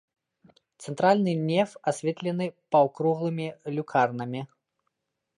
Цэнтральны неф асветлены паўкруглымі люкарнамі.